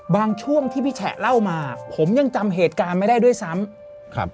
ช่วงที่พี่แฉะเล่ามาผมยังจำเหตุการณ์ไม่ได้ด้วยซ้ำครับ